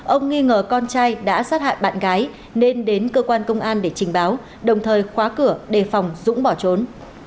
ông nghi ngờ con trai đã sát hại bạn gái nên đến cơ quan công an để trình báo đồng thời khóa cửa đề phòng dũng bỏ trốn